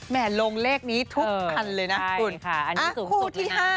แหมลงเลขนี้ทุกอันเลยนะคุณ